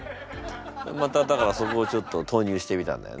まただからそこを投入してみたんだよな。